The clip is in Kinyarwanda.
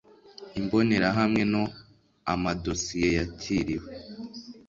imbonerahamwe no amadosiye yakiriwe